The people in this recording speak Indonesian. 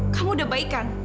kamu sudah baik kan